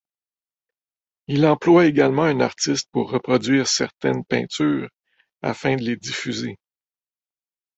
Il emploie également un artiste pour reproduire certaines peintures afin de les diffuser.